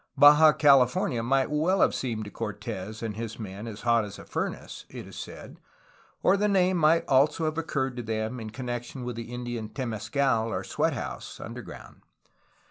Baja California might well have seemed to Cortes and his men as hot as a furnace, it is said, or the name might also have occurred to them in con nection with the Indian temescal, or sweat house, under ground.